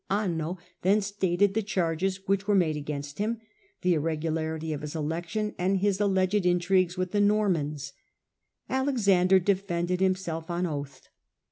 io«4 Anno then stated the charges which were made against him — ^the irregularity of his election, and his alleged intrigues with the Normans. Alexander Alexander defended himself on oath.